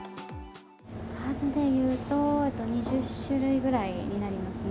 数でいうと、２０種類ぐらいになりますね。